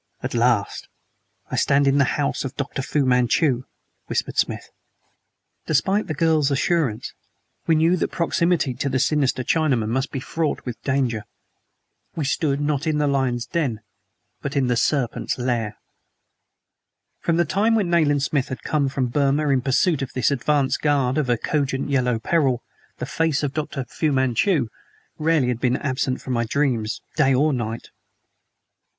"At last I stand in the house of Dr. Fu Manchu!" whispered Smith. Despite the girl's assurance, we knew that proximity to the sinister Chinaman must be fraught with danger. We stood, not in the lion's den, but in the serpent's lair. From the time when Nayland Smith had come from Burma in pursuit of this advance guard of a cogent Yellow Peril, the face of Dr. Fu Manchu rarely had been absent from my dreams day or night.